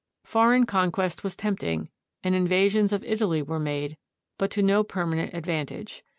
Foreign conquest was tempting, and invasions of Italy were made, but to no permanent advantage.